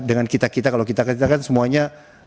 dengan kita kita kalau kita kita kan semuanya